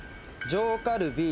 上カルビ。